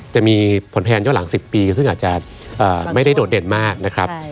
จะมีผลพยานย้อนหลัง๑๐ปีซึ่งอาจจะไม่ได้โดดเด่นมากนะครับ